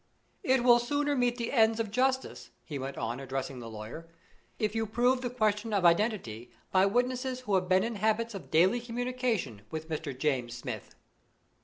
It will sooner meet the ends of justice," he went on, addressing the lawyer, "if you prove the question of identity by witnesses who have been in habits of daily communication with Mr. James Smith."